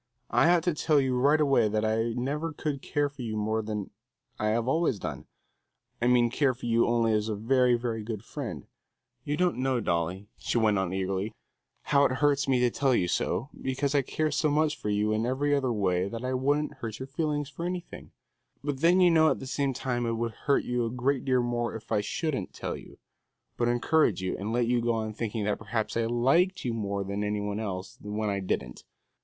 I ought to tell you right away that I never could care for you more than I always have done; I mean care for you only as a very, very good friend. You don't know, Dolly," she went on eagerly, "how it hurts me to tell you so, because I care so much for you in every other way that I wouldn't hurt your feelings for anything; but then you know at the same time it would hurt you a great deal more if I shouldn't tell you, but encourage you, and let you go on thinking that perhaps I liked you more than any one else, when I didn't.